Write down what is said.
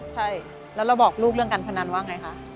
ใช่แล้วเราบอกลูกเรื่องการพนันว่าไงคะ